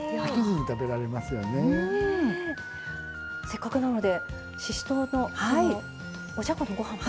せっかくなのでししとうのおじゃこのご飯も。